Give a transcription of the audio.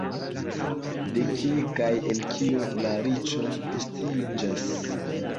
De kie kaj el kio la riĉo estiĝas?